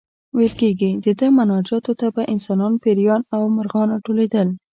ویل کېږي د ده مناجاتو ته به انسانان، پېریان او مرغان راټولېدل.